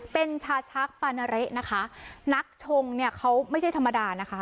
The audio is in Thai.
เป็นชาชักปานาเละนะคะนักชงเนี่ยเขาไม่ใช่ธรรมดานะคะ